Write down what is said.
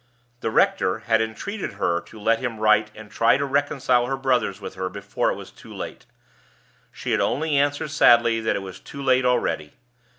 The rector had entreated her to let him write and try to reconcile her brothers with her before it was too late. She had only answered sadly that it was too late already.